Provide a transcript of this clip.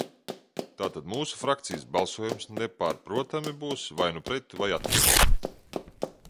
"Tātad mūsu frakcijas balsojums nepārprotami būs vai nu "pret", vai "atturas"."